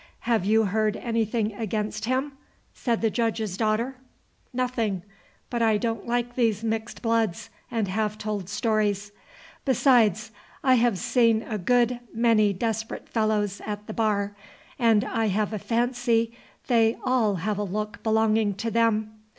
"Have you heard anything against him?" said the Judge's daughter. "Nothing. But I don't like these mixed bloods and half told stories. Besides, I have seen a good many desperate fellows at the bar, and I have a fancy they all have a look belonging to them.